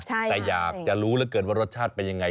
แต่อยากจะรู้เหลือเกินว่ารสชาติเป็นยังไง